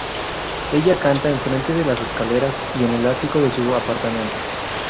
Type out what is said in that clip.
Ella canta en frente de las escaleras y en el ático de su apartamento.